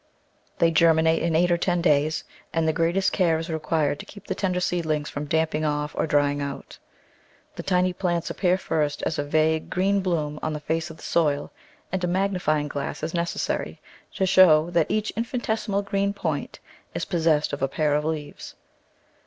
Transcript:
They germi nate in eight or ten days, and the greatest care is re quired to keep the tender seedlings from damping off or drying out. The tiny plants appear first as a vague green bloom on the face of the soil, and a magnifying glass is necessary to show that each infinitesimal green point is possessed of a pair of leaves.